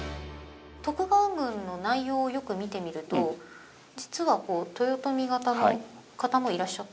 徳川軍の内容をよく見てみると実は豊臣方の方もいらっしゃったんですか？